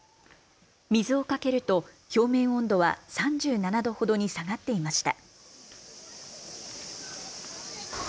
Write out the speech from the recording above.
水をかけると表面温度は３７度ほどに下がっていました。